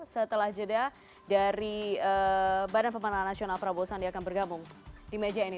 setelah jeda dari bpn prabowo sandia akan bergabung di meja ini